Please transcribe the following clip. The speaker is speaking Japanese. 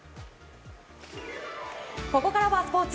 ここからはスポーツ。